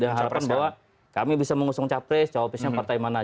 dan harapan bahwa kami bisa mengusung capres capresnya partai mana